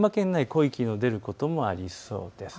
濃い霧の出ることもありそうです。